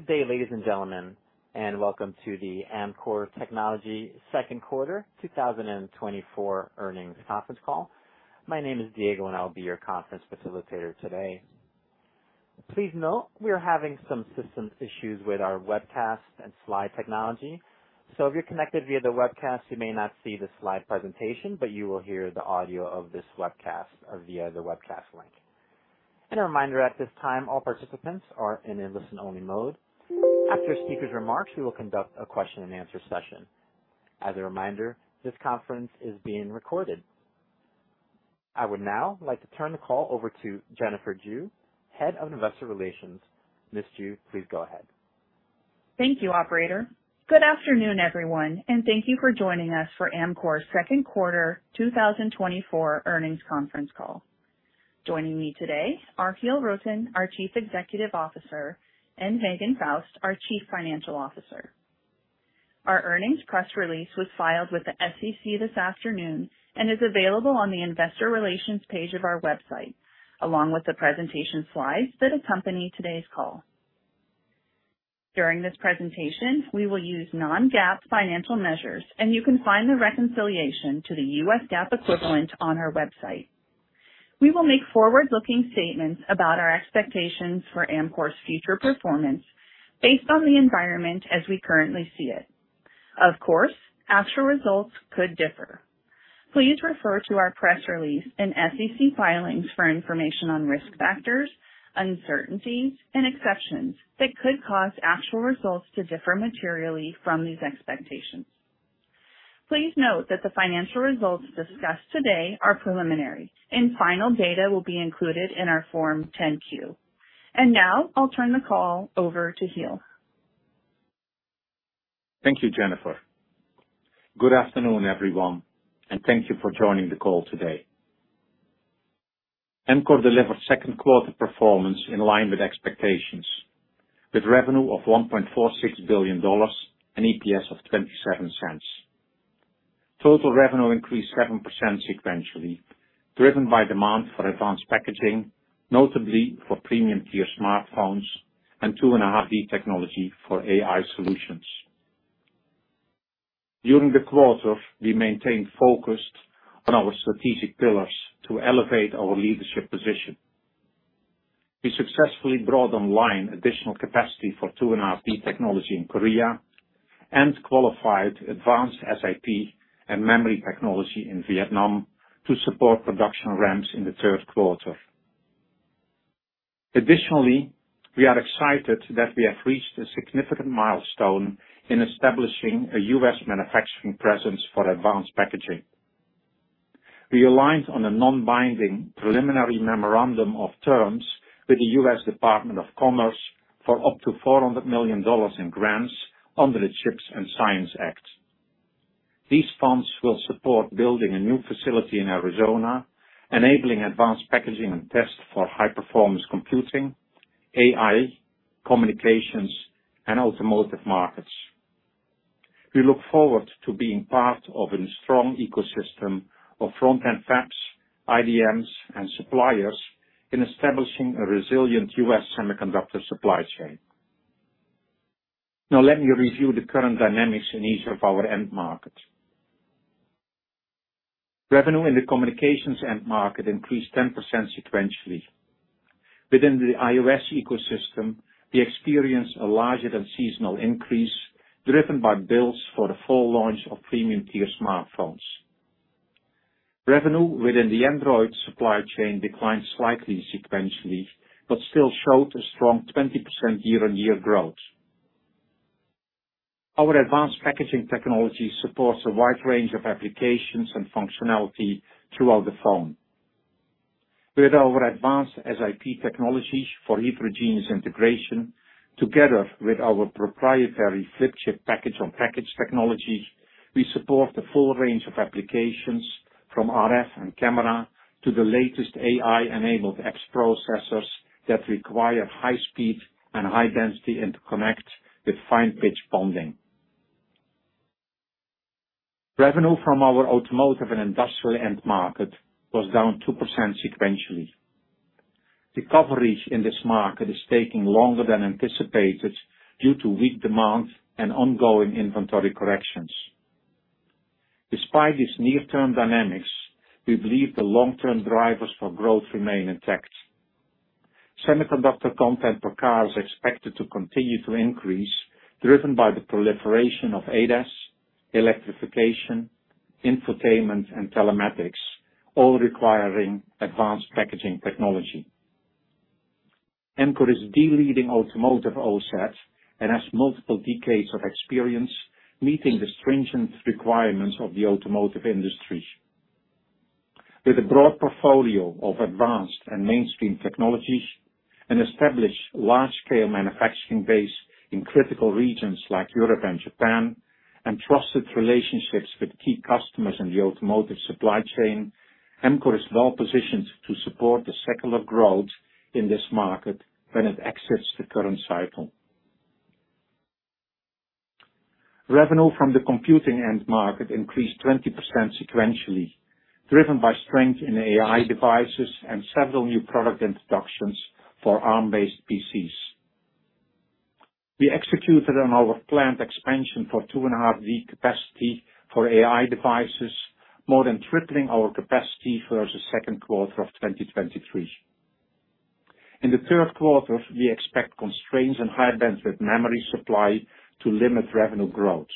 Good day, ladies and gentlemen, and welcome to the Amkor Technology second quarter 2024 earnings conference call. My name is Diego, and I'll be your conference facilitator today. Please note we are having some system issues with our webcast and slide technology, so if you're connected via the webcast, you may not see the slide presentation, but you will hear the audio of this webcast or via the webcast link. A reminder, at this time, all participants are in a listen-only mode. After speakers' remarks, we will conduct a question-and-answer session. As a reminder, this conference is being recorded. I would now like to turn the call over to Jennifer Jue, Head of Investor Relations. Ms. Jue, please go ahead. Thank you, operator. Good afternoon, everyone, and thank you for joining us for Amkor's second quarter 2024 earnings conference call. Joining me today are Giel Rutten, our Chief Executive Officer, and Megan Faust, our Chief Financial Officer. Our earnings press release was filed with the SEC this afternoon and is available on the investor relations page of our website, along with the presentation slides that accompany today's call. During this presentation, we will use non-GAAP financial measures, and you can find the reconciliation to the U.S. GAAP equivalent on our website. We will make forward-looking statements about our expectations for Amkor's future performance based on the environment as we currently see it. Of course, actual results could differ. Please refer to our press release and SEC filings for information on risk factors, uncertainties, and exceptions that could cause actual results to differ materially from these expectations. Please note that the financial results discussed today are preliminary, and final data will be included in our Form 10-Q. Now I'll turn the call over to Giel. Thank you, Jennifer. Good afternoon, everyone, and thank you for joining the call today. Amkor delivered second quarter performance in line with expectations, with revenue of $1.46 billion and EPS of $0.27. Total revenue increased 7% sequentially, driven by demand for advanced packaging, notably for premium-tier smartphones and 2.5D technology for AI solutions. During the quarter, we maintained focus on our strategic pillars to elevate our leadership position. We successfully brought online additional capacity for 2.5D technology in Korea and qualified advanced SiP and memory technology in Vietnam to support production ramps in the third quarter. Additionally, we are excited that we have reached a significant milestone in establishing a U.S. manufacturing presence for advanced packaging. We aligned on a non-binding preliminary memorandum of terms with the U.S. Department of Commerce for up to $400 million in grants under the CHIPS and Science Act. These funds will support building a new facility in Arizona, enabling advanced packaging and test for high-performance computing, AI, communications, and automotive markets. We look forward to being part of a strong ecosystem of front-end fabs, IDMs, and suppliers in establishing a resilient U.S. semiconductor supply chain. Now, let me review the current dynamics in each of our end markets. Revenue in the communications end market increased 10% sequentially. Within the iOS ecosystem, we experienced a larger than seasonal increase, driven by builds for the full launch of premium-tier smartphones. Revenue within the Android supply chain declined slightly sequentially, but still showed a strong 20% year-on-year growth. Our advanced packaging technology supports a wide range of applications and functionality throughout the phone. With our advanced SiP technologies for heterogeneous integration, together with our proprietary Flip Chip Package-on-Package technology, we support the full range of applications from RF and camera to the latest AI-enabled HPC processors that require high speed and high-density interconnect with fine pitch bonding. Revenue from our automotive and industrial end market was down 2% sequentially. Recovery in this market is taking longer than anticipated due to weak demand and ongoing inventory corrections. Despite these near-term dynamics, we believe the long-term drivers for growth remain intact. Semiconductor content per car is expected to continue to increase, driven by the proliferation of ADAS, electrification, infotainment, and telematics, all requiring advanced packaging technology. Amkor is the leading automotive OSAT and has multiple decades of experience meeting the stringent requirements of the automotive industry. With a broad portfolio of advanced and mainstream technologies, an established large-scale manufacturing base in critical regions like Europe and Japan, and trusted relationships with key customers in the automotive supply chain, Amkor is well positioned to support the secular growth in this market when it exits the current cycle. Revenue from the computing end market increased 20% sequentially, driven by strength in AI devices and several new product introductions for ARM-based PCs. We executed on our planned expansion for 2.5D capacity for AI devices, more than tripling our capacity versus second quarter of 2023. In the third quarter, we expect constraints and high-bandwidth memory supply to limit revenue growth.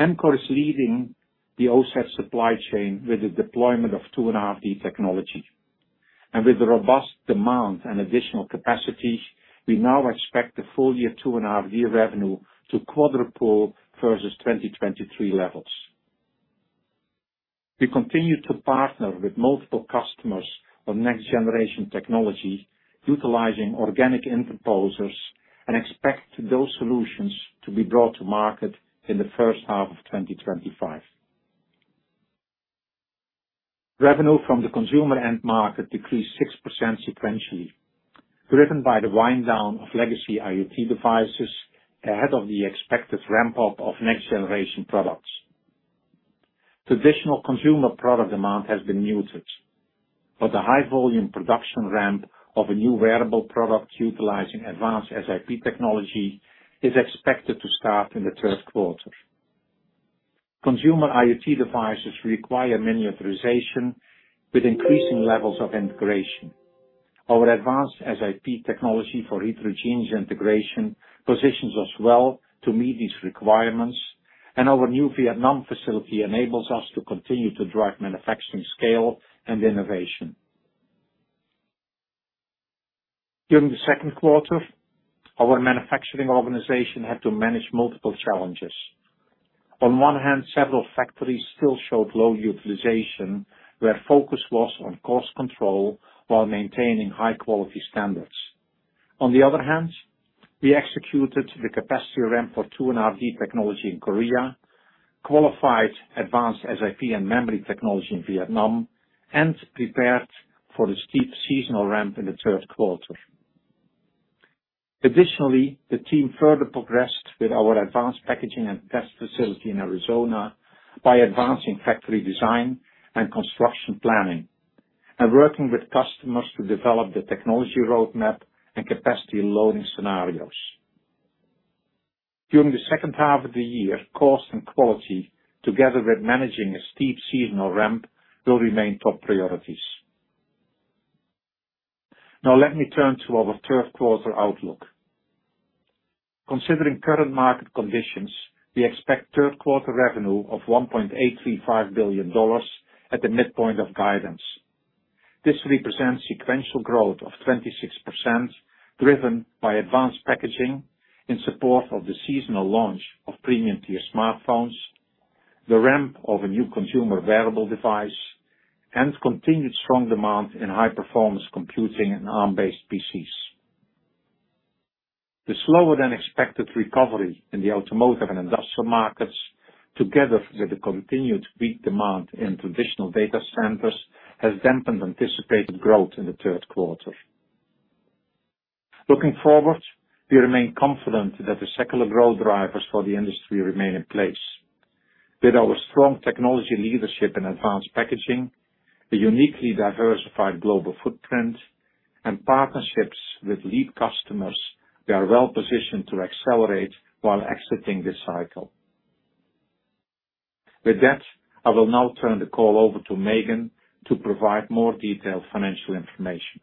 Amkor is leading the OSAT supply chain with the deployment of 2.5D technology. With the robust demand and additional capacity, we now expect the full year 2.5D revenue to quadruple versus 2023 levels. We continue to partner with multiple customers on next-generation technology, utilizing organic interposers, and expect those solutions to be brought to market in the first half of 2025. Revenue from the consumer end market decreased 6% sequentially, driven by the wind down of legacy IoT devices ahead of the expected ramp-up of next-generation products. Traditional consumer product demand has been muted, but the high-volume production ramp of a new wearable product utilizing advanced SiP technology is expected to start in the third quarter. Consumer IoT devices require miniaturization with increasing levels of integration. Our advanced SiP technology for heterogeneous integration positions us well to meet these requirements, and our new Vietnam facility enables us to continue to drive manufacturing scale and innovation. During the second quarter, our manufacturing organization had to manage multiple challenges. On one hand, several factories still showed low utilization, where focus was on cost control while maintaining high-quality standards. On the other hand, we executed the capacity ramp for 2.5D technology in Korea, qualified advanced SiP and memory technology in Vietnam, and prepared for the steep seasonal ramp in the third quarter. Additionally, the team further progressed with our advanced packaging and test facility in Arizona by advancing factory design and construction planning, and working with customers to develop the technology roadmap and capacity loading scenarios. During the second half of the year, cost and quality, together with managing a steep seasonal ramp, will remain top priorities. Now let me turn to our third quarter outlook. Considering current market conditions, we expect third quarter revenue of $1.835 billion at the midpoint of guidance. This represents sequential growth of 26%, driven by advanced packaging in support of the seasonal launch of premium-tier smartphones, the ramp of a new consumer wearable device, and continued strong demand in high-performance computing and ARM-based PCs. The slower-than-expected recovery in the automotive and industrial markets, together with the continued weak demand in traditional data centers, has dampened anticipated growth in the third quarter. Looking forward, we remain confident that the secular growth drivers for the industry remain in place. With our strong technology leadership in advanced packaging, a uniquely diversified global footprint, and partnerships with lead customers, we are well positioned to accelerate while exiting this cycle. With that, I will now turn the call over to Megan to provide more detailed financial information.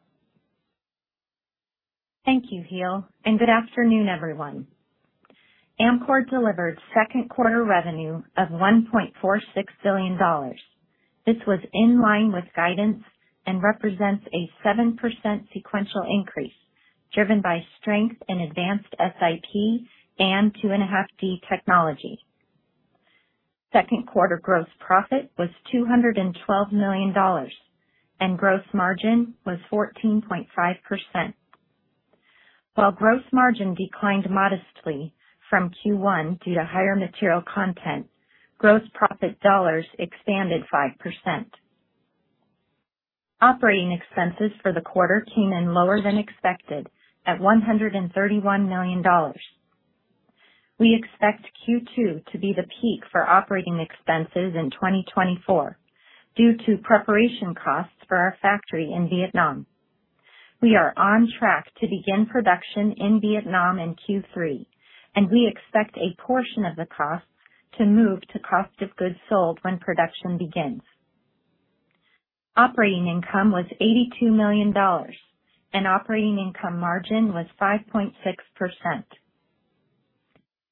Thank you, Giel, and good afternoon, everyone. Amkor delivered second quarter revenue of $1.46 billion. This was in line with guidance and represents a 7% sequential increase, driven by strength in advanced SiP and 2.5D technology. Second quarter gross profit was $212 million, and gross margin was 14.5%. While gross margin declined modestly from Q1 due to higher material content, gross profit dollars expanded 5%. Operating expenses for the quarter came in lower than expected, at $131 million. We expect Q2 to be the peak for operating expenses in 2024 due to preparation costs for our factory in Vietnam. We are on track to begin production in Vietnam in Q3, and we expect a portion of the costs to move to cost of goods sold when production begins. Operating income was $82 million, and operating income margin was 5.6%.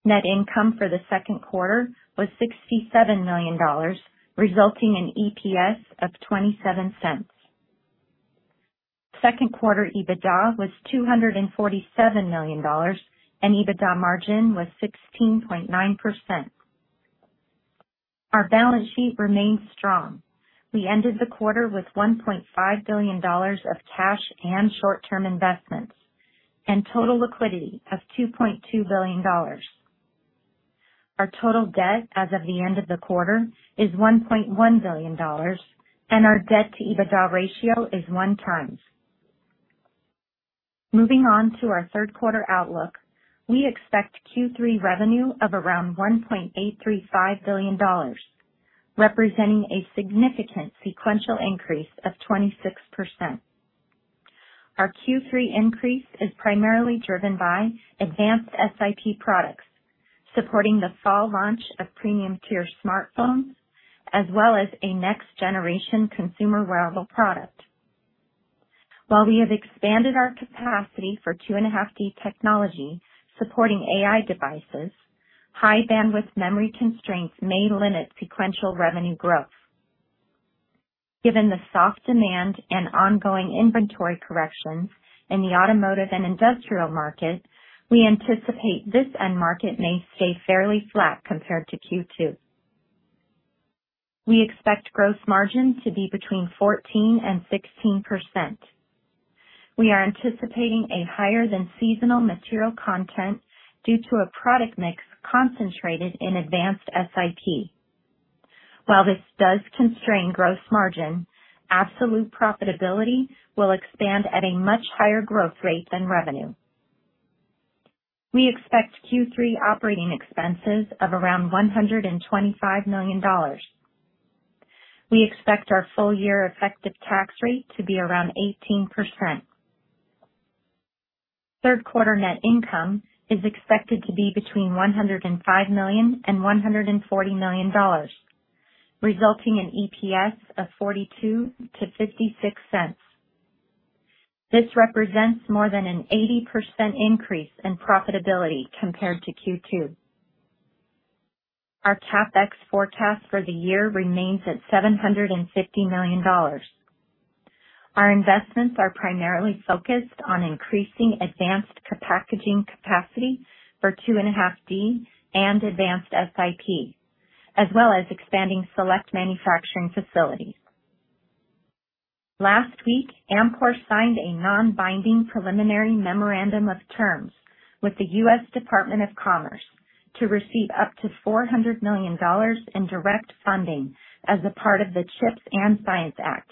Net income for the second quarter was $67 million, resulting in EPS of $0.27. Second quarter EBITDA was $247 million, and EBITDA margin was 16.9%. Our balance sheet remains strong. We ended the quarter with $1.5 billion of cash and short-term investments, and total liquidity of $2.2 billion. Our total debt as of the end of the quarter is $1.1 billion, and our debt-to-EBITDA ratio is 1x. Moving on to our third quarter outlook, we expect Q3 revenue of around $1.835 billion, representing a significant sequential increase of 26%. Our Q3 increase is primarily driven by advanced SiP products, supporting the fall launch of premium tier smartphones, as well as a next generation consumer wearable product. While we have expanded our capacity for 2.5D technology supporting AI devices, high-bandwidth memory constraints may limit sequential revenue growth. Given the soft demand and ongoing inventory corrections in the automotive and industrial market, we anticipate this end market may stay fairly flat compared to Q2. We expect gross margin to be between 14% and 16%. We are anticipating a higher than seasonal material content due to a product mix concentrated in advanced SiP. While this does constrain gross margin, absolute profitability will expand at a much higher growth rate than revenue. We expect Q3 operating expenses of around $125 million. We expect our full year effective tax rate to be around 18%. Third quarter net income is expected to be between $105 million and $140 million, resulting in EPS of $0.42 to $0.56. This represents more than an 80% increase in profitability compared to Q2. Our CapEx forecast for the year remains at $750 million. Our investments are primarily focused on increasing advanced co-packaging capacity for 2.5D and advanced SiP, as well as expanding select manufacturing facilities. Last week, Amkor signed a non-binding preliminary memorandum of terms with the U.S. Department of Commerce to receive up to $400 million in direct funding as a part of the CHIPS and Science Act.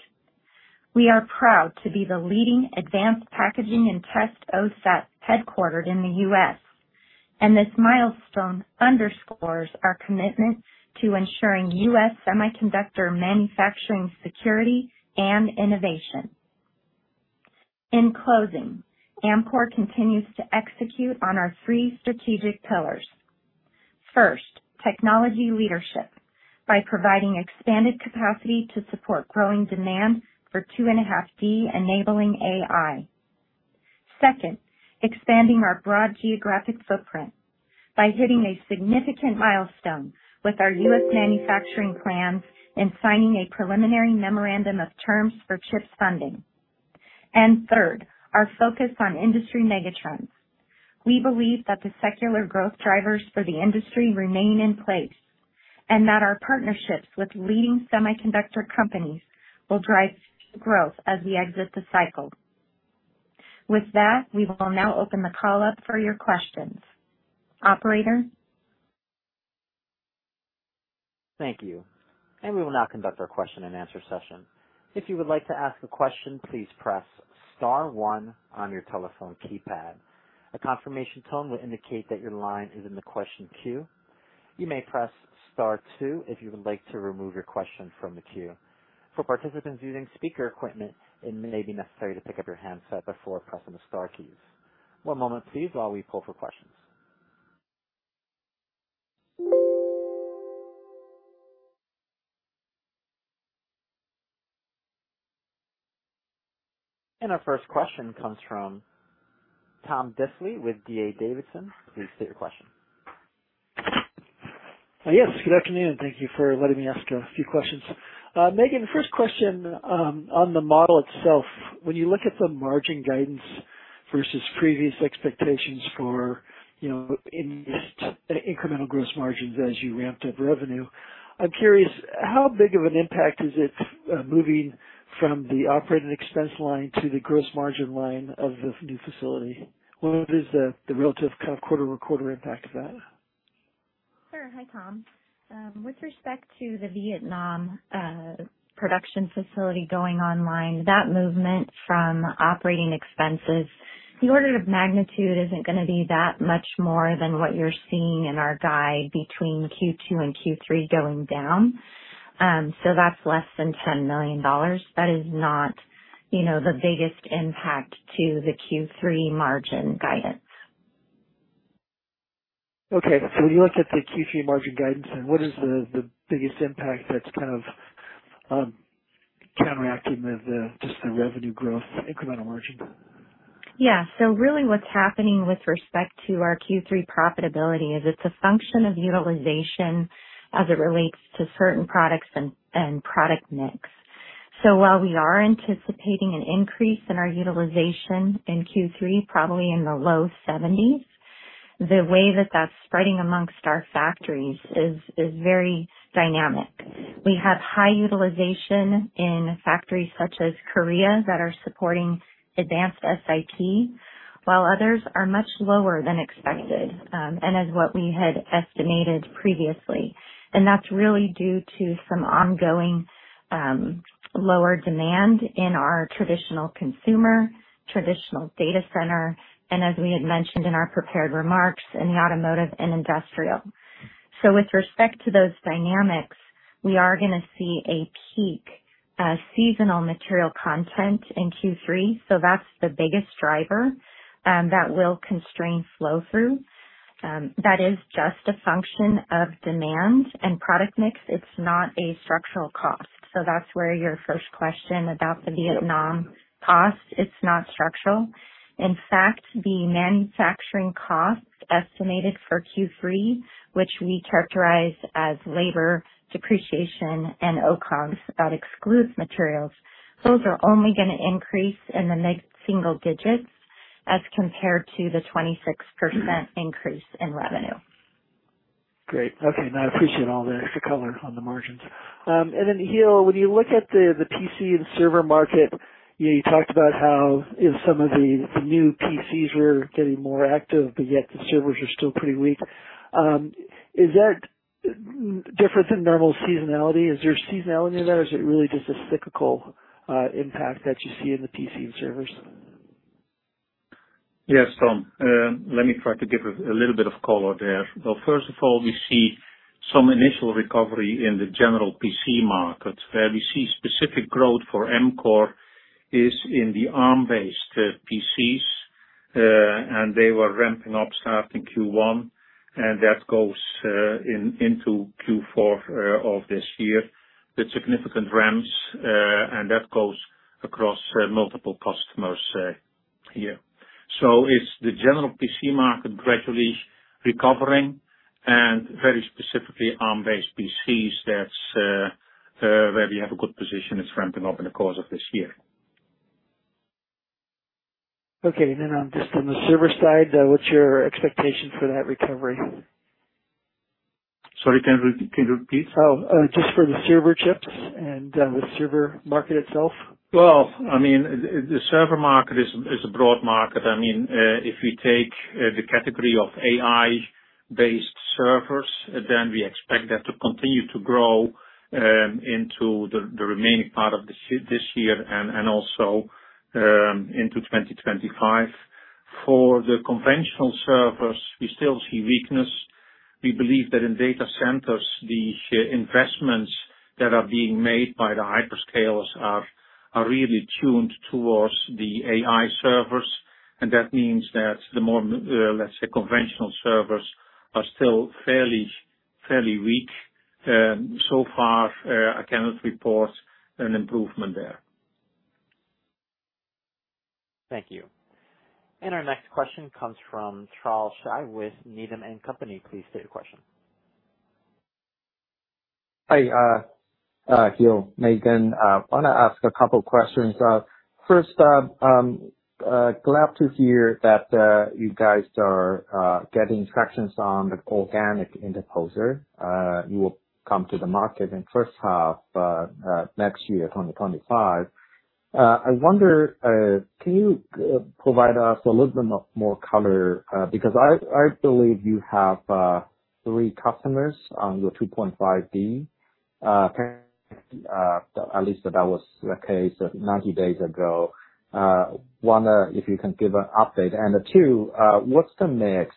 We are proud to be the leading advanced packaging and test OSAT headquartered in the U.S., and this milestone underscores our commitment to ensuring U.S. semiconductor manufacturing, security, and innovation. In closing, Amkor continues to execute on our three strategic pillars. First, technology leadership by providing expanded capacity to support growing demand for 2.5D, enabling AI. Second, expanding our broad geographic footprint by hitting a significant milestone with our U.S. manufacturing plans and signing a preliminary memorandum of terms for CHIPS funding. Third, our focus on industry megatrends. We believe that the secular growth drivers for the industry remain in place, and that our partnerships with leading semiconductor companies will drive growth as we exit the cycle. With that, we will now open the call up for your questions. Operator? Thank you, and we will now conduct our question-and-answer session. If you would like to ask a question, please press star one on your telephone keypad. A confirmation tone will indicate that your line is in the question queue. You may press star two if you would like to remove your question from the queue. For participants using speaker equipment, it may be necessary to pick up your handset before pressing the star keys. One moment, please, while we pull for questions. Our first question comes from Tom Diffely with D.A. Davidson. Please state your question. Yes, good afternoon. Thank you for letting me ask a few questions. Megan, first question, on the model itself. When you look at the margin guidance versus previous expectations for, you know, in incremental gross margins as you ramped up revenue, I'm curious, how big of an impact is it, moving from the operating expense line to the gross margin line of this new facility? What is the relative kind of quarter-to-quarter impact of that? Sure. Hi, Tom. With respect to the Vietnam production facility going online, that movement from operating expenses, the order of magnitude isn't going to be that much more than what you're seeing in our guide between Q2 and Q3 going down. So that's less than $10 million. That is not, you know, the biggest impact to the Q3 margin guidance. Okay, so when you look at the Q3 margin guidance, then what is the, the biggest impact that's kind of counteracting the, just the revenue growth, incremental margin? Yeah. So really, what's happening with respect to our Q3 profitability is it's a function of utilization as it relates to certain products and product mix. So while we are anticipating an increase in our utilization in Q3, probably in the low 70s, the way that that's spreading amongst our factories is very dynamic. We have high utilization in factories such as Korea that are supporting advanced SiP, while others are much lower than expected and as what we had estimated previously, and that's really due to some ongoing lower demand in our traditional consumer, traditional data center, and as we had mentioned in our prepared remarks, in the automotive and industrial. So with respect to those dynamics, we are gonna see a peak seasonal material content in Q3, so that's the biggest driver that will constrain flow through. That is just a function of demand and product mix, it's not a structural cost. So that's where your first question about the Vietnam cost, it's not structural. In fact, the manufacturing costs estimated for Q3, which we characterize as labor, depreciation, and OCOGs, that excludes materials, those are only gonna increase in the mid-single digits as compared to the 26% increase in revenue. Great. Okay, now I appreciate all the extra color on the margins. And then, Giel, when you look at the PC and server market, you know, you talked about how in some of the new PCs were getting more active, but yet the servers are still pretty weak. Is that different than normal seasonality? Is there seasonality there, or is it really just a cyclical impact that you see in the PC and servers? Yes, Tom, let me try to give a little bit of color there. So first of all, we see some initial recovery in the general PC market, where we see specific growth for Amkor is in the ARM-based PCs, and they were ramping up starting Q1, and that goes into Q4 of this year. The significant ramps, and that goes across multiple customers here. So it's the general PC market gradually recovering, and very specifically, ARM-based PCs, that's where we have a good position, it's ramping up in the course of this year. Okay, and then, just on the server side, what's your expectation for that recovery? Sorry, can you, can you repeat? Oh, just for the server chips and, the server market itself? Well, I mean, the server market is a broad market. I mean, if we take the category of AI-based servers, then we expect that to continue to grow into the remaining part of this year and also into 2025. For the conventional servers, we still see weakness. We believe that in data centers, the investments that are being made by the hyperscalers are really tuned towards the AI servers, and that means that the more, let's say, conventional servers are still fairly weak. So far, I cannot report an improvement there. Thank you. Our next question comes from Charles Shi with Needham & Company. Please state your question. Hi, Giel, Megan, wanna ask a couple questions. First, glad to hear that you guys are getting traction on the organic interposer. You will come to the market in first half next year, 2025. I wonder, can you provide us a little bit of more color? Because I believe you have three customers on your 2.5D, at least that was the case 90 days ago. One, if you can give an update, and two, what's the mix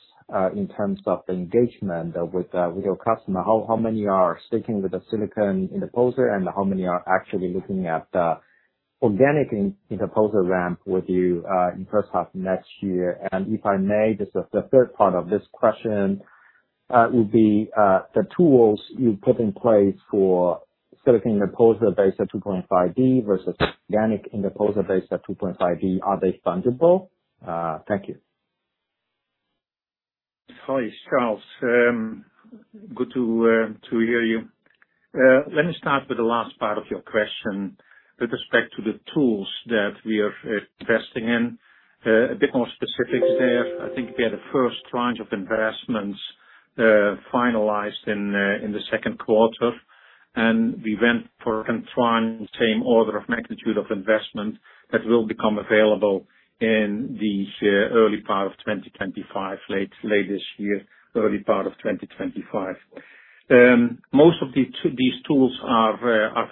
in terms of engagement with your customer? How many are sticking with the silicon interposer, and how many are actually looking at the organic interposer ramp with you in first half next year? And if I may, just the third part of this question would be the tools you put in place for silicon interposer-based 2.5D versus organic interposer-based 2.5D, are they fundable? Thank you. Hi, Charles. Good to hear you. Let me start with the last part of your question with respect to the tools that we are investing in. A bit more specifics there, I think we had the first tranche of investments finalized in the second quarter, and we went for a tranche, same order of magnitude of investment that will become available in the early part of 2025, late this year, early part of 2025. Most of these tools are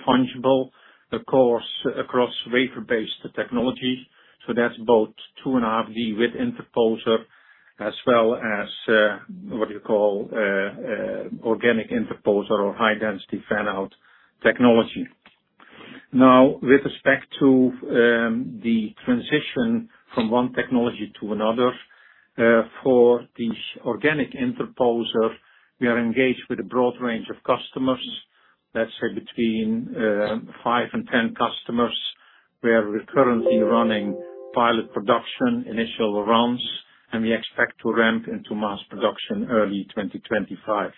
fungible, of course, across wafer-based technology, so that's both 2.5D with interposer as well as what you call organic interposer or high-density fan-out technology. Now, with respect to the transition from one technology to another, for the organic interposer, we are engaged with a broad range of customers. Let's say between five and 10 customers. We are currently running pilot production, initial runs, and we expect to ramp into mass production early 2025.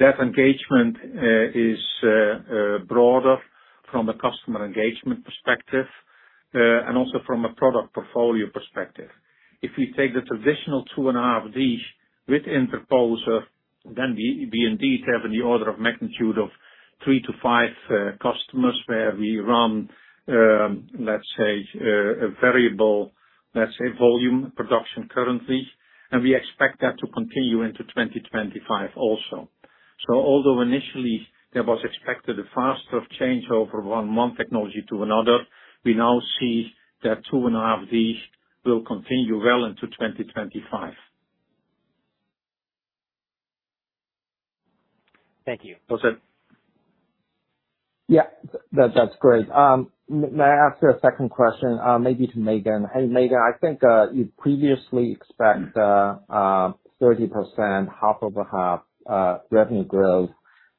That engagement is broader from a customer engagement perspective, and also from a product portfolio perspective. If we take the traditional 2.5D with interposer, then we, we indeed have in the order of magnitude of three to five customers where we run, let's say, a variable, let's say, volume production currently, and we expect that to continue into 2025 also. Although initially there was expected a faster changeover from one technology to another, we now see that 2.5D will continue well into 2025. Thank you. Okay. Yeah, that's great. May I ask you a second question, maybe to Megan? Hey, Megan, I think you previously expect 30%, half-over-half, revenue growth.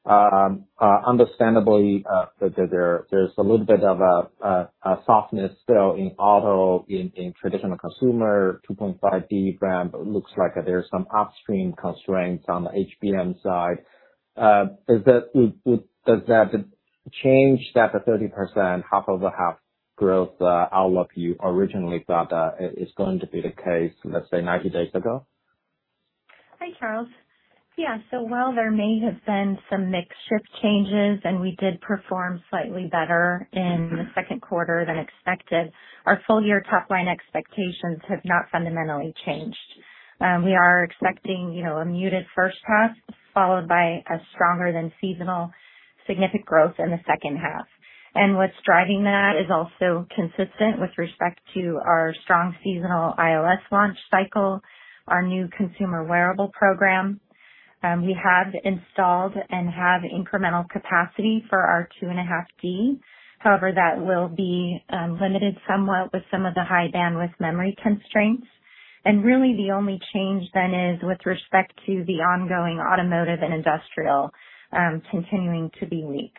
Understandably, there's a little bit of a softness still in auto, in traditional consumer, 2.5D RAM, but looks like there's some upstream constraints on the HBM side. Does that change the 30%, half-over-half growth outlook you originally thought is going to be the case, let's say, 90 days ago? Hi, Charles. Yeah, so while there may have been some mix shift changes, and we did perform slightly better in the second quarter than expected, our full year top line expectations have not fundamentally changed. We are expecting, you know, a muted first half, followed by a stronger than seasonal significant growth in the second half. And what's driving that is also consistent with respect to our strong seasonal iOS launch cycle, our new consumer wearable program. We have installed and have incremental capacity for our 2.5D. However, that will be limited somewhat with some of the high-bandwidth memory constraints. And really, the only change then is with respect to the ongoing automotive and industrial continuing to be weak.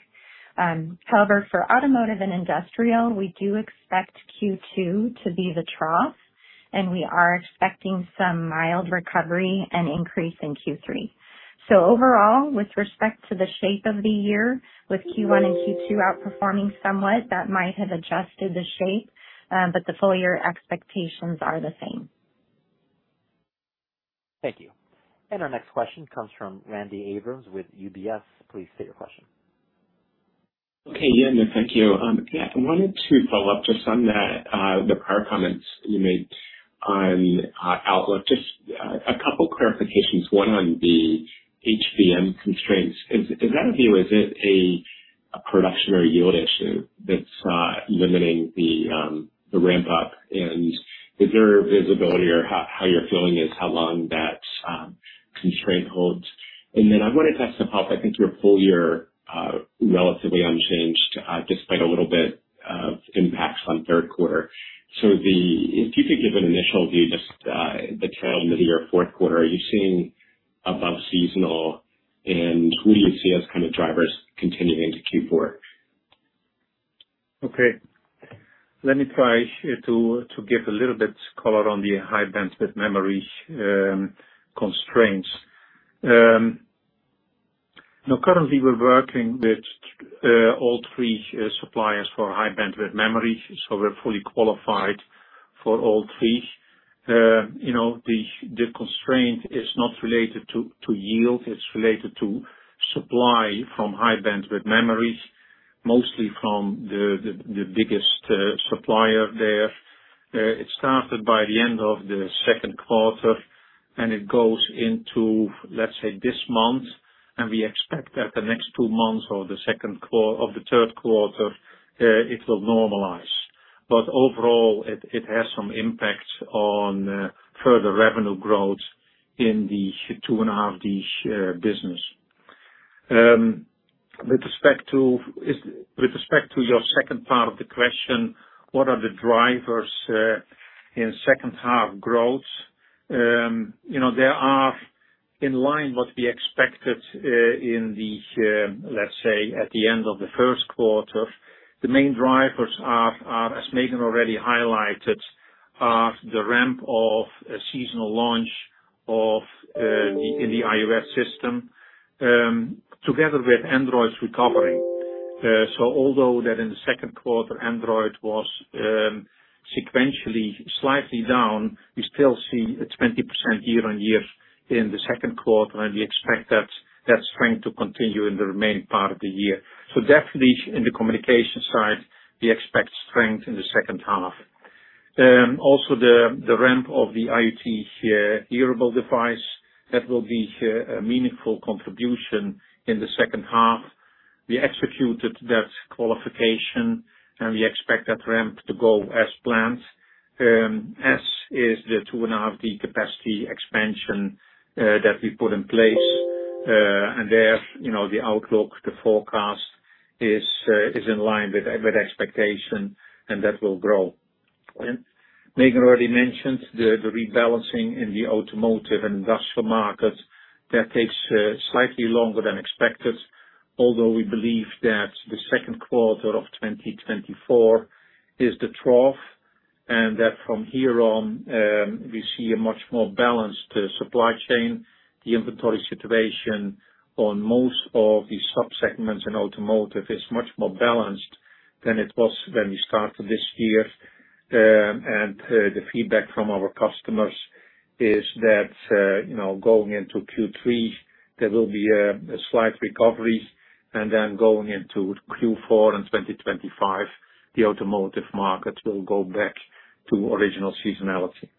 However, for automotive and industrial, we do expect Q2 to be the trough, and we are expecting some mild recovery and increase in Q3. So overall, with respect to the shape of the year, with Q1 and Q2 outperforming somewhat, that might have adjusted the shape, but the full year expectations are the same. Thank you. Our next question comes from Randy Abrams with UBS. Please state your question. Okay, yeah, and thank you. Yeah, I wanted to follow up just on that, the prior comments you made on outlook. Just a couple clarifications, one on the HBM constraints. Is that a view? Is it a production or a yield issue that's limiting the ramp up? And is there visibility or how you're feeling is how long that constraint holds? And then I wanted to ask about, I think, your full year relatively unchanged despite a little bit of impacts on third quarter. So, if you could give an initial view, just the tail end of the year, fourth quarter, are you seeing above seasonal, and who do you see as kind of drivers continuing to Q4? Okay. Let me try to give a little bit color on the high-bandwidth memory constraints. Now, currently we're working with all three suppliers for high-bandwidth memory, so we're fully qualified for all three. You know, the constraint is not related to yield, it's related to supply from high-bandwidth memories, mostly from the biggest supplier there. It started by the end of the second quarter, and it goes into, let's say, this month, and we expect that the next two months, or the second quarter, of the third quarter, it will normalize. But overall, it has some impact on further revenue growth in the 2.5D business. With respect to your second part of the question, what are the drivers in second half growth? You know, there are in line with what we expected in the, let's say, at the end of the first quarter. The main drivers are, as Megan already highlighted, the ramp of a seasonal launch in the iOS system together with Android's recovery. So although in the second quarter, Android was sequentially slightly down, we still see a 20% year-on-year in the second quarter, and we expect that strength to continue in the remaining part of the year. So definitely in the communication side, we expect strength in the second half. Also the ramp of the IoT wearable device that will be a meaningful contribution in the second half. We executed that qualification, and we expect that ramp to go as planned, as is the 2.5D capacity expansion that we put in place. And there, you know, the outlook, the forecast is in line with expectation, and that will grow. And Megan already mentioned the rebalancing in the automotive and industrial markets. That takes slightly longer than expected, although we believe that the second quarter of 2024 is the trough, and that from here on, we see a much more balanced supply chain. The inventory situation on most of the subsegments in automotive is much more balanced than it was when we started this year. The feedback from our customers is that, you know, going into Q3, there will be a slight recovery, and then going into Q4 and 2025, the automotive market will go back to original seasonality.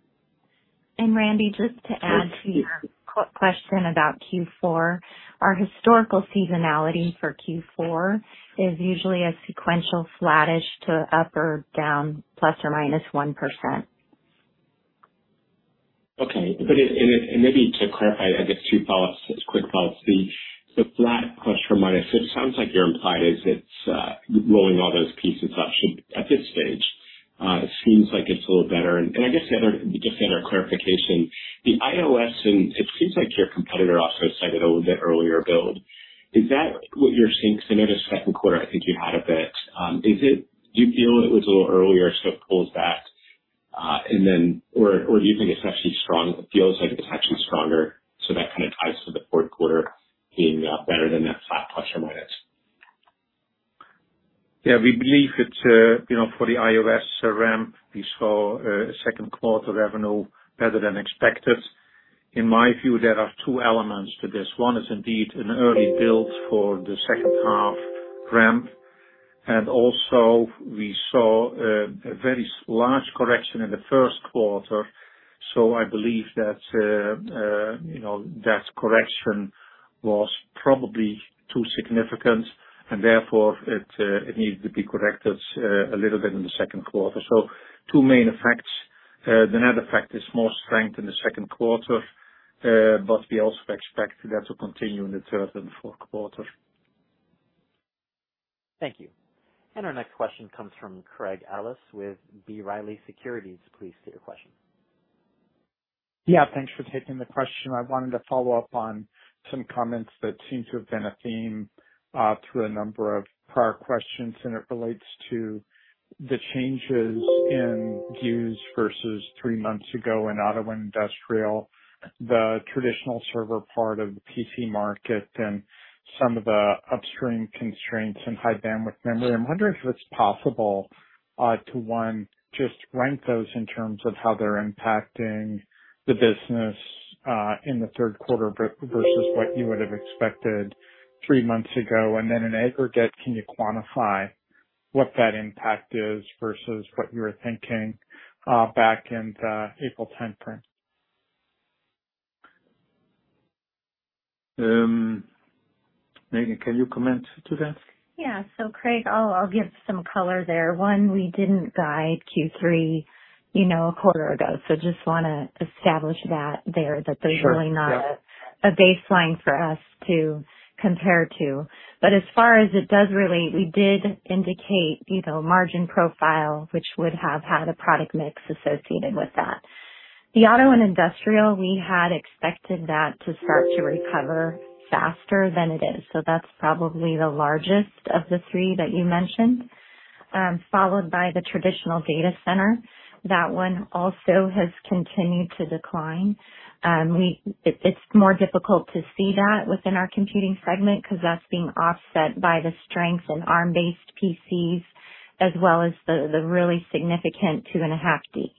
Randy, just to add to your question about Q4, our historical seasonality for Q4 is usually a sequential flattish to up or down, ±1%. Okay. Maybe to clarify, I guess, two follow-ups, quick follow-ups. The flat plus or minus, it sounds like your implied is it's rolling all those pieces up. So at this stage, it seems like it's a little better. And I guess the other, just the other clarification, the IOS, and it seems like your competitor also cited a little bit earlier build. Is that what you're seeing? Because I noticed second quarter, I think you had a bit. Is it, do you feel it was a little earlier, so it pulls back, and then or do you think it's actually strong, feels like it's actually stronger, so that kind of ties to the fourth quarter being better than that flat plus or minus? Yeah, we believe it's, you know, for the iOS ramp, we saw second quarter revenue better than expected. In my view, there are two elements to this. One is indeed an early build for the second half ramp, and also we saw a very large correction in the first quarter. So I believe that, you know, that correction was probably too significant, and therefore it needed to be corrected a little bit in the second quarter. So two main effects. Then other effect is more strength in the second quarter, but we also expect that to continue in the third and fourth quarter. Thank you. And our next question comes from Craig Ellis with B. Riley Securities. Please state your question. Yeah, thanks for taking the question. I wanted to follow up on some comments that seem to have been a theme through a number of prior questions, and it relates to the changes in views versus three months ago in auto and industrial, the traditional server part of the PC market, and some of the upstream constraints in high bandwidth memory. I'm wondering if it's possible to one, just rank those in terms of how they're impacting the business in the third quarter versus what you would have expected three months ago, and then in aggregate, can you quantify what that impact is versus what you were thinking back in the April 10 timeframe? Megan, can you comment to that? Yeah. So Craig, I'll, I'll give some color there. One, we didn't guide Q3, you know, a quarter ago, so just wanna establish that there. Sure. Yeah. That there's really not a baseline for us to compare to. But as far as it does relate, we did indicate, you know, margin profile, which would have had a product mix associated with that. The auto and industrial, we had expected that to start to recover faster than it is, so that's probably the largest of the three that you mentioned, followed by the traditional data center. That one also has continued to decline. It, it's more difficult to see that within our computing segment, 'cause that's being offset by the strength in ARM-based PCs, as well as the really significant 2.5D.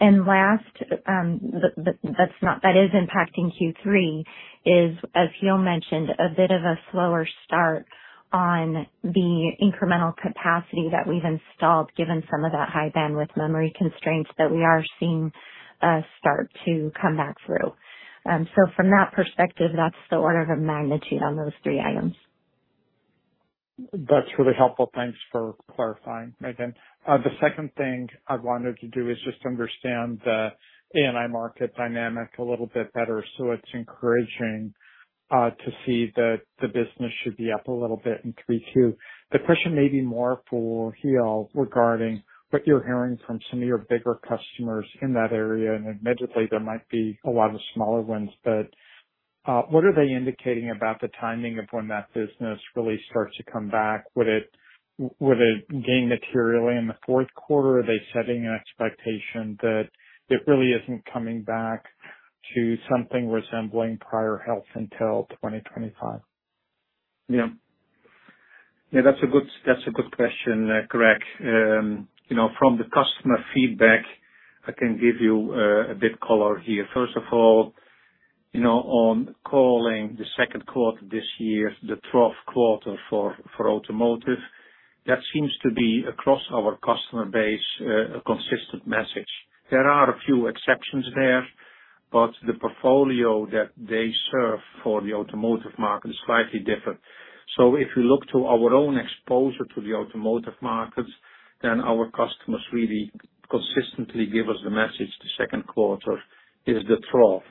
And last, that's. That is impacting Q3 is, as Giel mentioned, a bit of a slower start on the incremental capacity that we've installed, given some of that high bandwidth memory constraints that we are seeing start to come back through. So from that perspective, that's the order of magnitude on those three items. That's really helpful. Thanks for clarifying, Megan. The second thing I wanted to do is just understand the AI market dynamic a little bit better. So it's encouraging to see that the business should be up a little bit in Q2. The question may be more for Giel, regarding what you're hearing from some of your bigger customers in that area, and admittedly, there might be a lot of smaller ones, but what are they indicating about the timing of when that business really starts to come back? Would it gain materially in the fourth quarter, or are they setting an expectation that it really isn't coming back to something resembling prior health until 2025? Yeah. Yeah, that's a good, that's a good question, Craig. You know, from the customer feedback, I can give you a bit color here. First of all, you know, on calling the second quarter this year, the trough quarter for automotive, that seems to be across our customer base a consistent message. There are a few exceptions there, but the portfolio that they serve for the automotive market is slightly different. So if you look to our own exposure to the automotive markets, then our customers really consistently give us the message, the second quarter is the trough.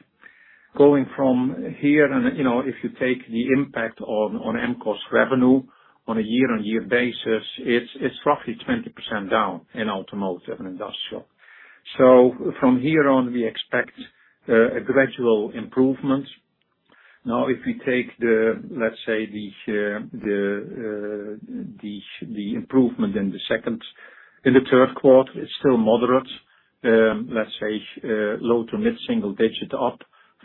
Going from here, and, you know, if you take the impact on Amkor's revenue on a year-on-year basis, it's roughly 20% down in automotive and industrial. So from here on, we expect a gradual improvement. Now, if we take the, let's say, the improvement in the second, in the third quarter, it's still moderate, let's say, low-to-mid single-digit up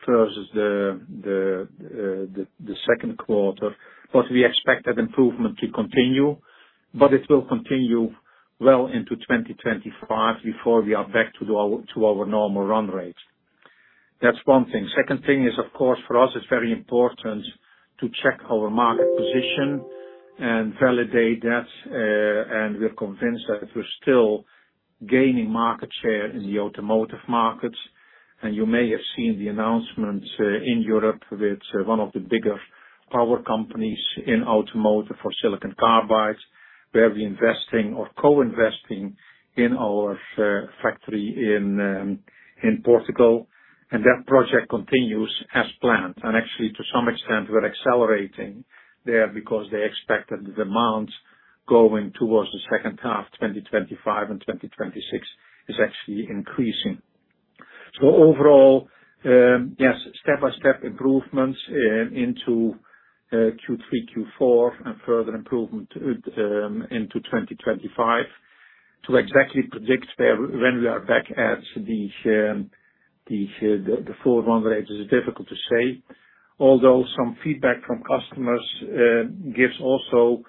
versus the second quarter, but we expect that improvement to continue, but it will continue well into 2025 before we are back to our normal run rate. That's one thing. Second thing is, of course, for us, it's very important to check our market position and validate that, and we're convinced that we're still gaining market share in the automotive markets. And you may have seen the announcement in Europe with one of the bigger power companies in automotive for silicon carbide, where we're investing or co-investing in our factory in Portugal. And that project continues as planned. Actually, to some extent, we're accelerating there because they expect that the demand going towards the second half, 2025 and 2026, is actually increasing. So overall, yes, step-by-step improvements into Q3, Q4, and further improvement into 2025. To exactly predict when we are back at the full run rate is difficult to say. Although some feedback from customers gives also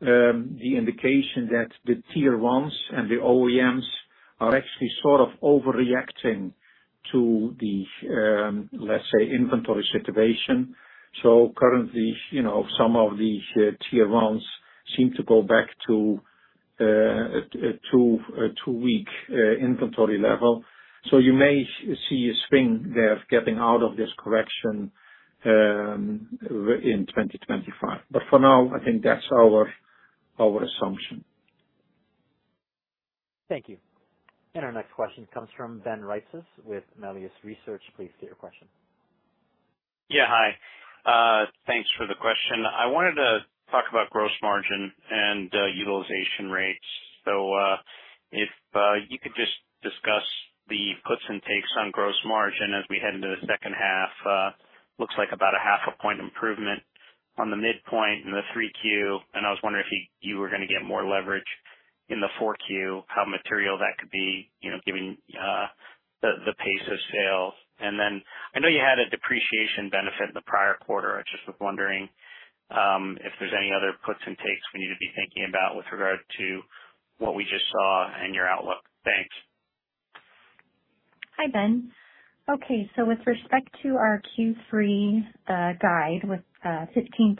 the indication that the tier ones and the OEMs are actually sort of overreacting to the, let's say, inventory situation. So currently, you know, some of the tier ones seem to go back to a two-week inventory level. So you may see a swing there of getting out of this correction in 2025. But for now, I think that's our assumption. Thank you. Our next question comes from Ben Reitzes with Melius Research. Please state your question. Yeah. Hi. Thanks for the question. I wanted to talk about gross margin and utilization rates. So, if you could just discuss the puts and takes on gross margin as we head into the second half. Looks like about a 0.5 point improvement on the midpoint in 3Q. And I was wondering if you were going to get more leverage in 4Q, how material that could be, you know, given the pace of sales. And then I know you had a depreciation benefit in the prior quarter. I just was wondering if there's any other puts and takes we need to be thinking about with regard to what we just saw in your outlook. Thanks. Hi, Ben. Okay, so with respect to our Q3 guide, with 15%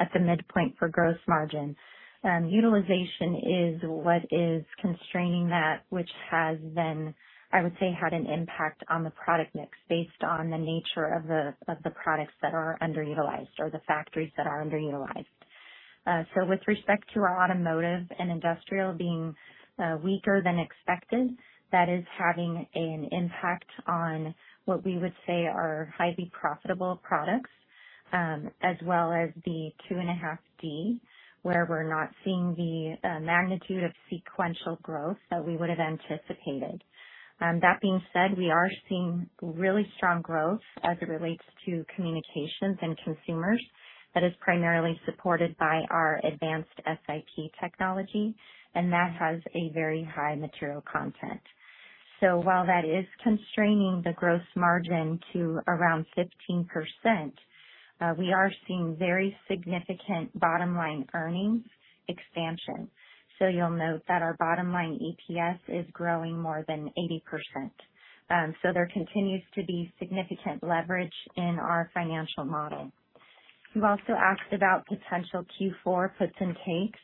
at the midpoint for gross margin, utilization is what is constraining that, which has been, I would say, had an impact on the product mix based on the nature of the products that are underutilized or the factories that are underutilized. So with respect to our automotive and industrial being weaker than expected, that is having an impact on what we would say are highly profitable products, as well as the 2.5D, where we're not seeing the magnitude of sequential growth that we would have anticipated. That being said, we are seeing really strong growth as it relates to communications and consumers. That is primarily supported by our advanced SiP technology, and that has a very high material content. So while that is constraining the gross margin to around 15%, we are seeing very significant bottom line earnings expansion. So you'll note that our bottom line EPS is growing more than 80%. So there continues to be significant leverage in our financial model. You've also asked about potential Q4 puts and takes.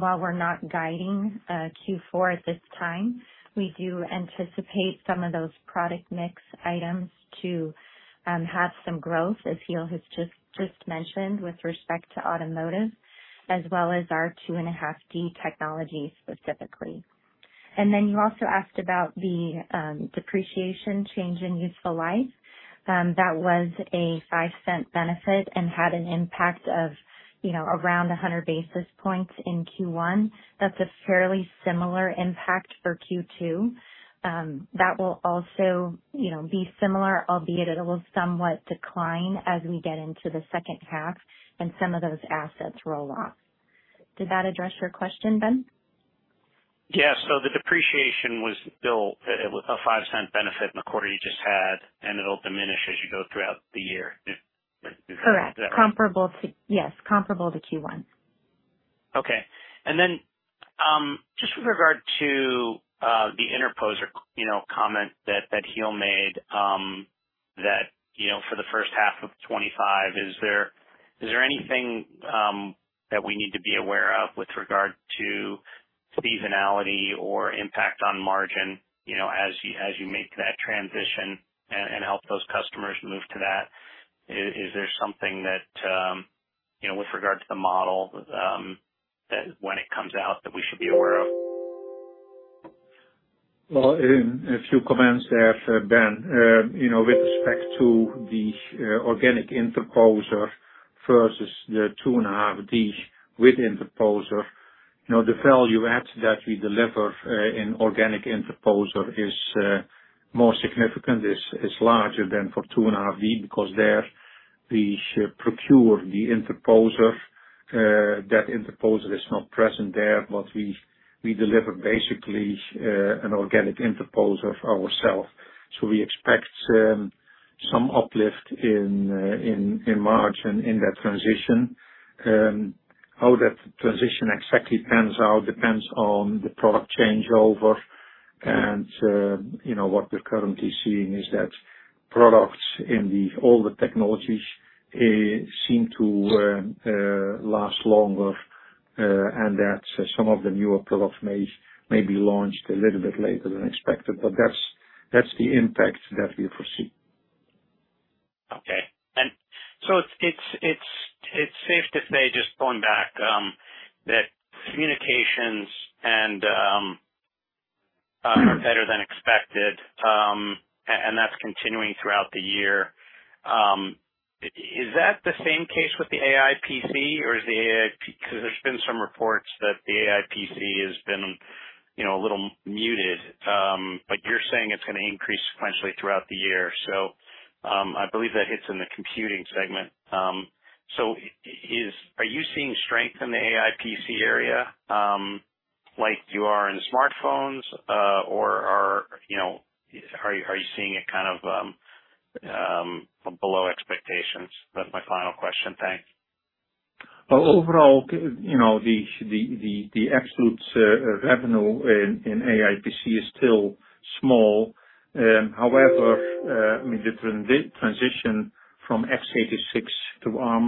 While we're not guiding Q4 at this time, we do anticipate some of those product mix items to have some growth, as Giel has just mentioned, with respect to automotive, as well as our 2.5D technology specifically. And then you also asked about the depreciation change in useful life. That was a $0.05 benefit and had an impact of, you know, around 100 basis points in Q1. That's a fairly similar impact for Q2. That will also, you know, be similar, albeit it will somewhat decline as we get into the second half and some of those assets roll off. Did that address your question, Ben? Yeah. So the depreciation was still a $0.05 benefit in the quarter you just had, and it'll diminish as you go throughout the year. Is that right? Correct. Comparable to. Yes, comparable to Q1. Okay. And then, just with regard to the interposer, you know, comment that Giel made, that, you know, for the first half of 2025, is there anything that we need to be aware of with regard to seasonality or impact on margin, you know, as you make that transition and help those customers move to that? Is there something that, you know, with regard to the model, that when it comes out, that we should be aware of? Well, a few comments there, Ben. You know, with respect to the organic interposer versus the 2.5D with interposer, you know, the value add that we deliver in organic interposer is more significant, is larger than for 2.5D, because there we procure the interposer, that interposer is not present there, but we deliver basically an organic interposer ourselves. So we expect some uplift in margin in that transition. How that transition exactly pans out depends on the product changeover. And you know, what we're currently seeing is that products in the older technologies seem to last longer, and that some of the newer products may be launched a little bit later than expected, but that's the impact that we foresee. Okay. And so it's safe to say, just going back, that communications and are better than expected, and that's continuing throughout the year. Is that the same case with the AI PC, or is the AI PC. Because there's been some reports that the AI PC has been, you know, a little muted, but you're saying it's gonna increase sequentially throughout the year. So, I believe that hits in the computing segment. So, are you seeing strength in the AI PC area, like you are in smartphones, or are you, you know, seeing it kind of below expectations? That's my final question. Thanks. Well, overall, you know, the absolute revenue in AI PC is still small. However, I mean, the transition from x86 to ARM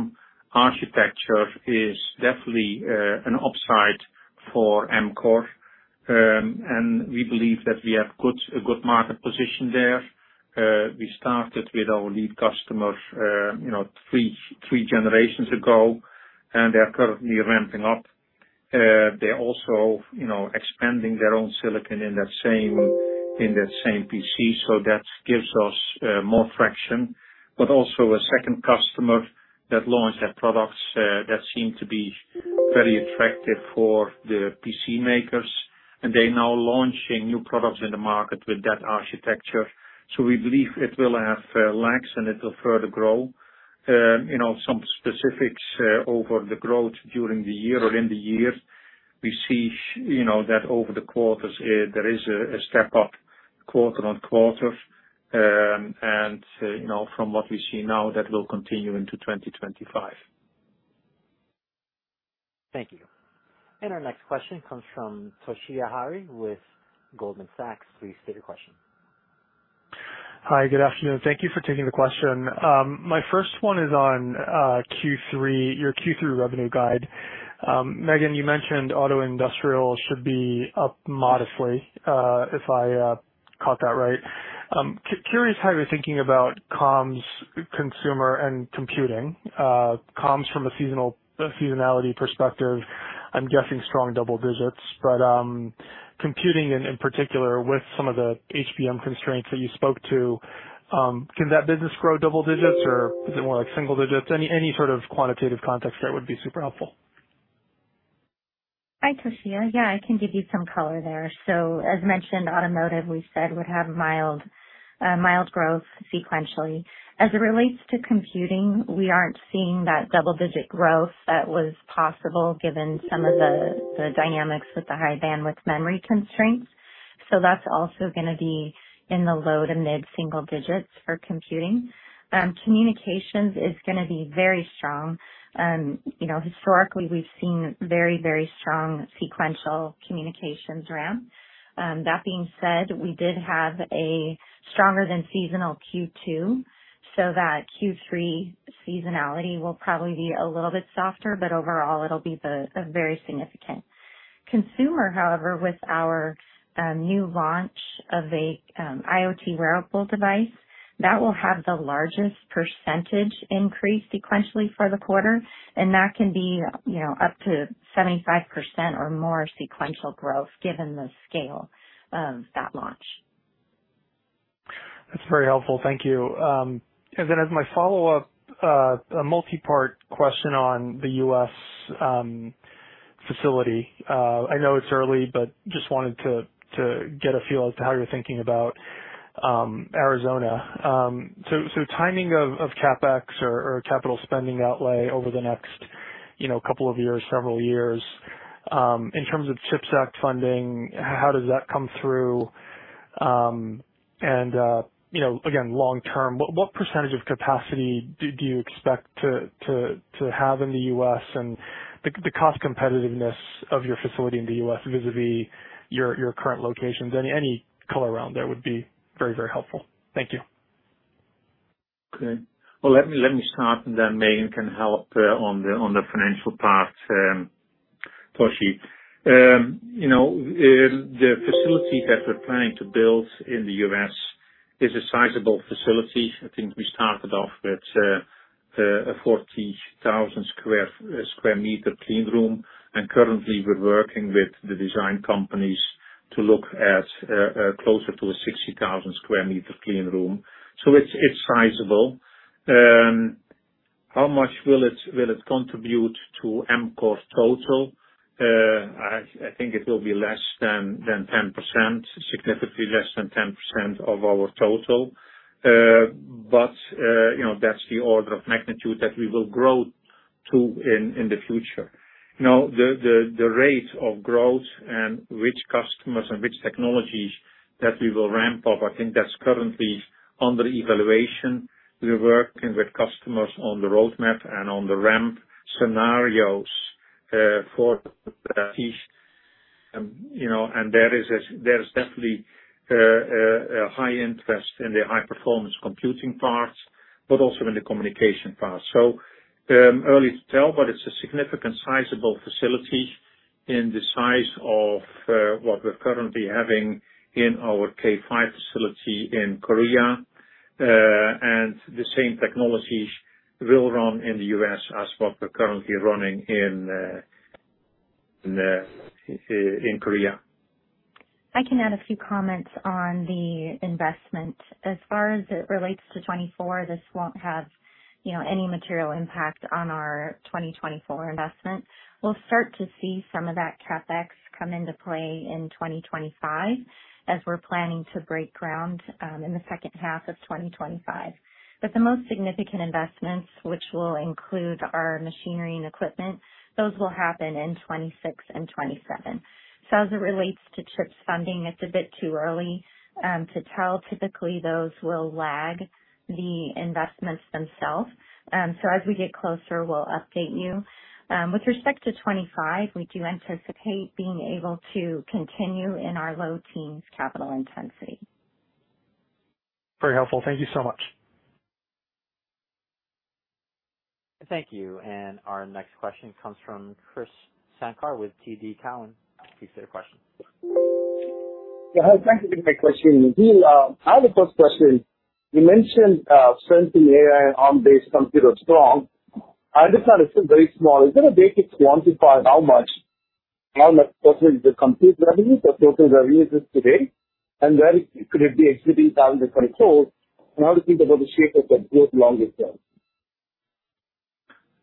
architecture is definitely an upside for Amkor. And we believe that we have a good market position there. We started with our lead customers, you know, three generations ago, and they are currently ramping up. They're also, you know, expanding their own silicon in that same PC, so that gives us more traction. But also a second customer that launched their products that seem to be very attractive for the PC makers, and they're now launching new products in the market with that architecture. So we believe it will have legs and it will further grow. You know, some specifics over the growth during the year, or in the year. We see, you know, that over the quarters, there is a step up quarter-on-quarter. You know, from what we see now, that will continue into 2025. Thank you. And our next question comes from Toshiya Hari with Goldman Sachs. Please state your question. Hi, good afternoon. Thank you for taking the question. My first one is on Q3, your Q3 revenue guide. Megan, you mentioned auto industrial should be up modestly, if I caught that right. Curious how you're thinking about comms, consumer and computing, comms from a seasonality perspective. I'm guessing strong double digits, but computing in particular with some of the HBM constraints that you spoke to, can that business grow double digits, or is it more like single digits? Any sort of quantitative context there would be super helpful. Hi, Toshiya. Yeah, I can give you some color there. So as mentioned, automotive, we said, would have mild, mild growth sequentially. As it relates to computing, we aren't seeing that double-digit growth that was possible given some of the, the dynamics with the high-bandwidth memory constraints. So that's also gonna be in the low-to-mid single digits for computing. Communications is gonna be very strong. You know, historically, we've seen very, very strong sequential communications ramp. That being said, we did have a stronger than seasonal Q2, so that Q3 seasonality will probably be a little bit softer, but overall it'll be the very significant. Consumer, however, with our new launch of a IoT wearable device, that will have the largest percentage increase sequentially for the quarter, and that can be, you know, up to 75% or more sequential growth given the scale of that launch. That's very helpful. Thank you. And then as my follow-up, a multi-part question on the U.S. facility. I know it's early, but just wanted to get a feel as to how you're thinking about Arizona. So timing of CapEx or capital spending outlay over the next, you know, couple of years, several years, in terms of CHIPS Act funding, how does that come through? And you know, again, long term, what percentage of capacity do you expect to have in the U.S. and the cost competitiveness of your facility in the U.S. vis-a-vis your current locations? Any color around there would be very, very helpful. Thank you. Okay. Well, let me, let me start, and then Megan can help on the, on the financial part, Toshiya. You know, the facility that we're planning to build in the U.S. is a sizable facility. I think we started off with a 40,000 sqm cleanroom, and currently we're working with the design companies to look at closer to a 60,000 sqm cleanroom. So it's, it's sizable. How much will it, will it contribute to Amkor's total? I think it will be less than 10%, significantly less than 10% of our total. But you know, that's the order of magnitude that we will grow to in the future. Now, the rate of growth and which customers and which technologies that we will ramp up, I think that's currently under evaluation. We're working with customers on the roadmap and on the ramp scenarios for each. You know, and there is definitely a high interest in the high performance computing parts, but also in the communication parts. So, early to tell, but it's a significant sizable facility in the size of what we're currently having in our K5 facility in Korea. And the same technologies will run in the U.S. as what we're currently running in Korea. I can add a few comments on the investment. As far as it relates to 2024, this won't have, you know, any material impact on our 2024 investment. We'll start to see some of that CapEx come into play in 2025, as we're planning to break ground, in the second half of 2025. But the most significant investments, which will include our machinery and equipment, those will happen in 2026 and 2027. So as it relates to CHIPS funding, it's a bit too early, to tell. Typically, those will lag the investments themselves. So as we get closer, we'll update you. With respect to 2025, we do anticipate being able to continue in our low teens capital intensity. Very helpful. Thank you so much. Thank you. Our next question comes from Krish Sankar with TD Cowen. Please state your question. Yeah, hi, thank you for taking my question. Giel, I have a first question. You mentioned, strength in AI on this computer strong. I understand it's still very small. Is there a way to quantify how much, how much the compute revenue, the total revenue is today, and where could it be exiting down the control, and how do you think about the shape of the growth longer term?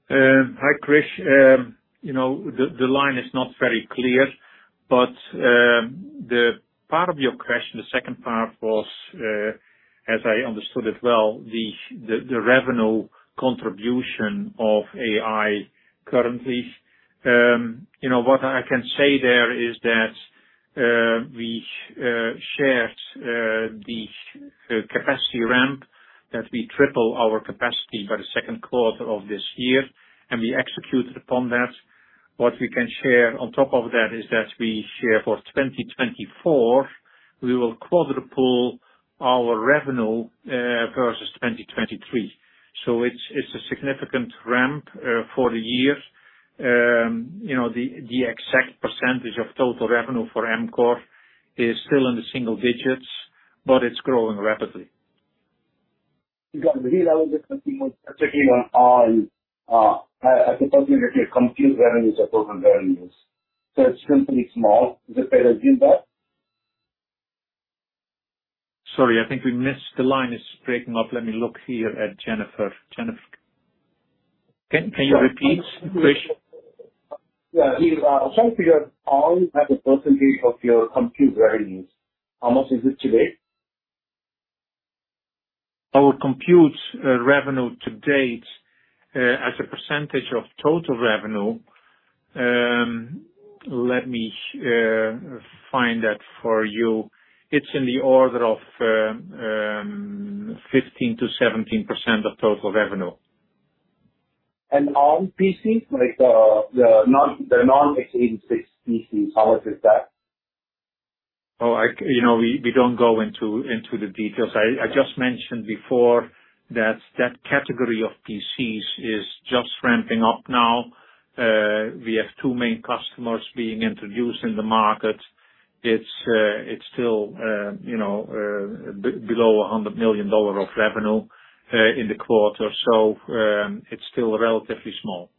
Hi, Krish. You know, the line is not very clear, but the part of your question, the second part was, as I understood it well, the revenue contribution of AI currently. You know, what I can say there is that we shared the capacity ramp, that we triple our capacity by the second quarter of this year, and we executed upon that. What we can share on top of that is that we share for 2024, we will quadruple our revenue versus 2023. So it's a significant ramp for the year. You know, the exact percentage of total revenue for Amkor is still in the single digits, but it's growing rapidly. You got me level with the in on, as a percentage of your compute revenues or total revenues. So it's simply small. Is it fair to say that? Sorry, I think we missed. The line is breaking up. Let me look here at Jennifer. Jennifer, can you repeat, Krish? Yeah, I'm trying to figure out on, as a percentage of your compute revenues, how much is it today? Our compute revenue to date as a percentage of total revenue, let me find that for you. It's in the order of 15% to 17% of total revenue. On PCs, like, the non-x86 PCs, how much is that? Oh, you know, we don't go into the details. I just mentioned before that that category of PCs is just ramping up now. We have two main customers being introduced in the market. It's still, you know, below $100 million of revenue in the quarter. So, it's still relatively small.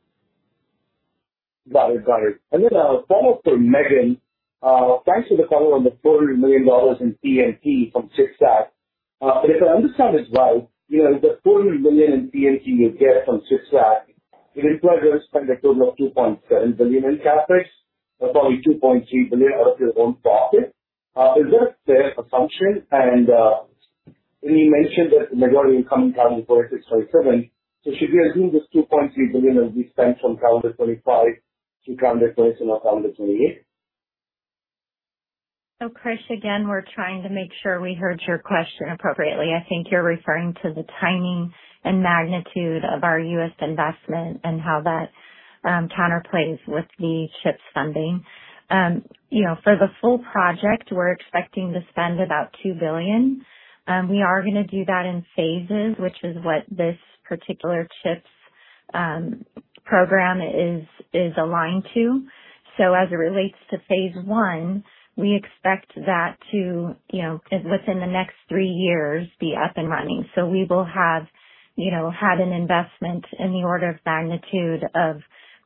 Got it. Got it. And then a follow-up for Megan. Thanks for the follow on the $400 million in PMT from CHIPS Act. But if I understand this right, you know, the $400 million in PMT you get from CHIPS Act, it requires you to spend a total of $2.7 billion in CapEx, approximately $2.3 billion of your own profit. Is that a fair assumption? And when you mentioned that the majority will come in calendar 2026, 2027, so should we assume this $2.3 billion will be spent from calendar 2025 to calendar 2026 or calendar 2028? So, Krish, again, we're trying to make sure we heard your question appropriately. I think you're referring to the timing and magnitude of our U.S. investment and how that, counterplays with the CHIPS funding. You know, for the full project, we're expecting to spend about $2 billion. We are gonna do that in phases, which is what this particular CHIPS program is aligned to. So as it relates to phase one, we expect that to, you know, within the next three years, be up and running. So we will have, you know, had an investment in the order of magnitude of,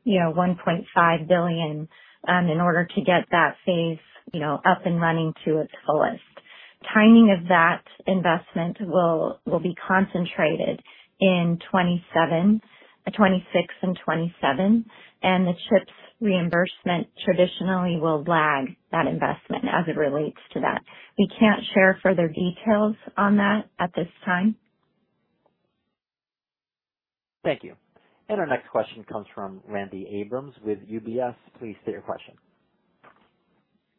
you know, $1.5 billion, in order to get that phase, you know, up and running to its fullest. Timing of that investment will be concentrated in 2026 and 2027, and the CHIPS reimbursement traditionally will lag that investment as it relates to that. We can't share further details on that at this time. Thank you. Our next question comes from Randy Abrams with UBS. Please state your question.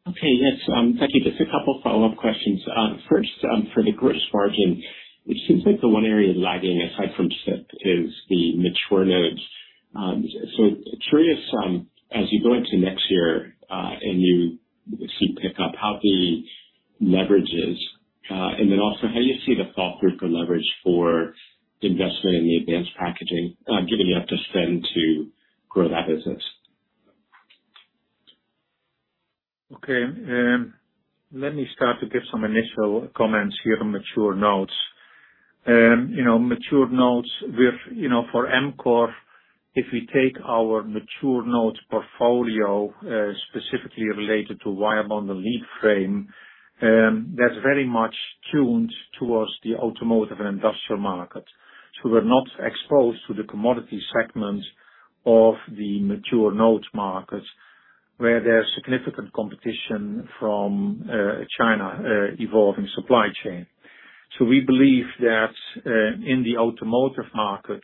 Okay. Yes, thank you. Just a couple follow-up questions. First, for the gross margin, it seems like the one area lagging, aside from SiP, is the mature nodes. So curious, as you go into next year, and you see pick up, how the leverage is, and then also how you see the throughput or leverage for investment in the advanced packaging, given you have to spend to grow that business? Okay, let me start to give some initial comments here on mature nodes. You know, mature nodes with, you know, for Amkor, if we take our mature nodes portfolio, specifically related to wirebond and leadframe, that's very much tuned towards the automotive and industrial market. So we're not exposed to the commodity segment of the mature nodes market, where there's significant competition from China, evolving supply chain. So we believe that in the automotive market,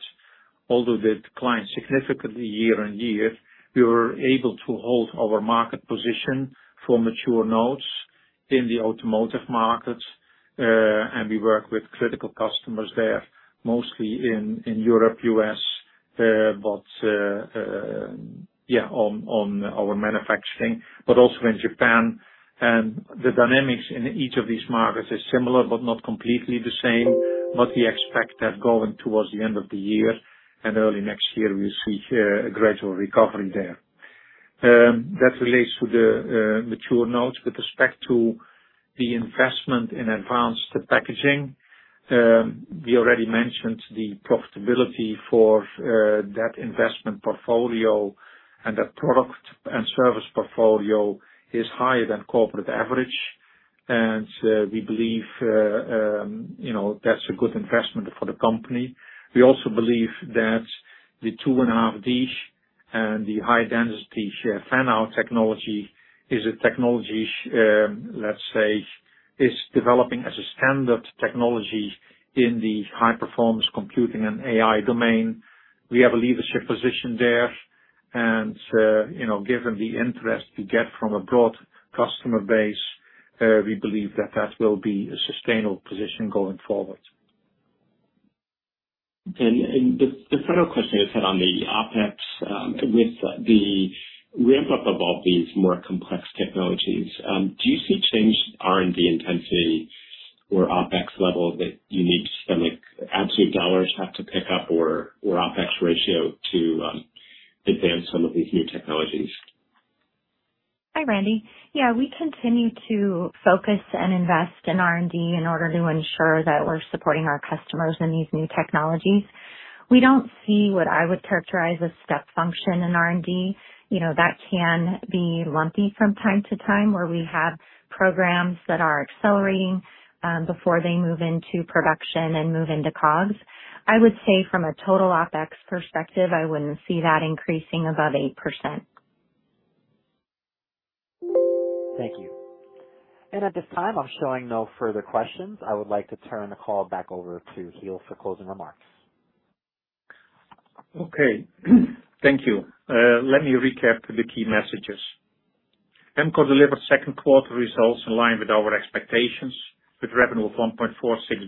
although they declined significantly year-over-year, we were able to hold our market position for mature nodes in the automotive market. And we work with critical customers there, mostly in Europe, U.S., but yeah, on our manufacturing, but also in Japan. The dynamics in each of these markets is similar but not completely the same. But we expect that going towards the end of the year and early next year, we see a gradual recovery there. That relates to the mature nodes. With respect to the investment in advanced packaging, we already mentioned the profitability for that investment portfolio, and that product and service portfolio is higher than corporate average. And we believe, you know, that's a good investment for the company. We also believe that the 2.5D and the high-density fan-out technology is a technology, let's say, is developing as a standard technology in the high-performance computing and AI domain. We have a leadership position there, and you know, given the interest we get from a broad customer base, we believe that that will be a sustainable position going forward. The final question I just had on the OpEx, with the ramp-up of all these more complex technologies, do you see changed R&D intensity or OpEx level that you need to spend? Like, absolute dollars have to pick up or OpEx ratio to advance some of these new technologies? Hi, Randy. Yeah, we continue to focus and invest in R&D in order to ensure that we're supporting our customers in these new technologies. We don't see what I would characterize as step function in R&D. You know, that can be lumpy from time-to-time, where we have programs that are accelerating before they move into production and move into COGS. I would say from a total OpEx perspective, I wouldn't see that increasing above 8%. Thank you. At this time, I'm showing no further questions. I would like to turn the call back over to Giel for closing remarks. Okay. Thank you. Let me recap the key messages. Amkor delivered second quarter results in line with our expectations, with revenue of $1.46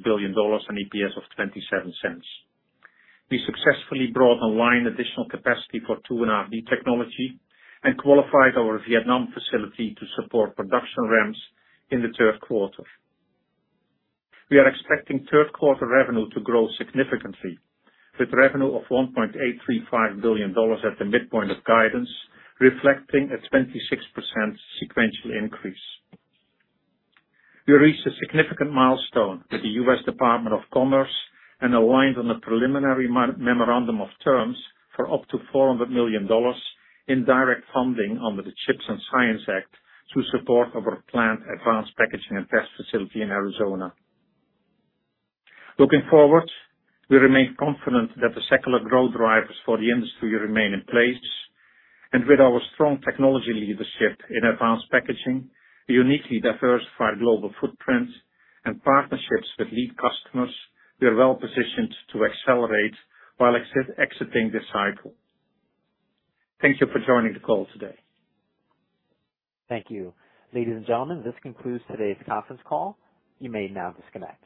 billion and EPS of $0.27. We successfully brought online additional capacity for 2.5D technology and qualified our Vietnam facility to support production ramps in the third quarter. We are expecting third quarter revenue to grow significantly, with revenue of $1.835 billion at the midpoint of guidance, reflecting a 26% sequential increase. We reached a significant milestone with the U.S. Department of Commerce and aligned on a preliminary memorandum of terms for up to $400 million in direct funding under the CHIPS and Science Act to support our planned Advanced Packaging and Test facility in Arizona. Looking forward, we remain confident that the secular growth drivers for the industry remain in place, and with our strong technology leadership in advanced packaging, a uniquely diversified global footprint and partnerships with lead customers, we are well positioned to accelerate while exiting this cycle. Thank you for joining the call today. Thank you. Ladies and gentlemen, this concludes today's conference call. You may now disconnect.